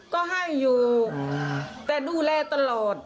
ก็ให้อยู่แต่ดูแลตลอด